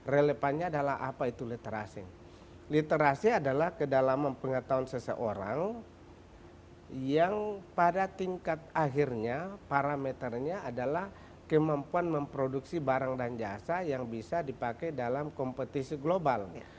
relevannya adalah apa itu literasing literasi adalah kedalaman pengetahuan seseorang yang pada tingkat akhirnya parameternya adalah kemampuan memproduksi barang dan jasa yang bisa dipakai dalam kompetisi global